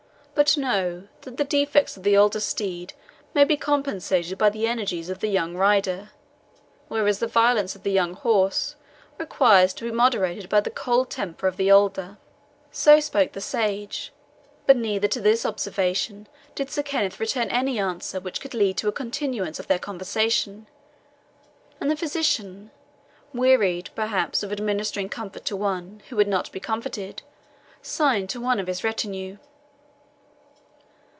But know that the defects of the older steed may be compensated by the energies of the young rider, whereas the violence of the young horse requires to be moderated by the cold temper of the older." So spoke the sage; but neither to this observation did Sir Kenneth return any answer which could lead to a continuance of their conversation, and the physician, wearied, perhaps, of administering comfort to one who would not be comforted, signed to one of his retinue.